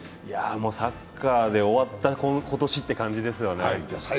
サッカーで終わった今年って感じですよね。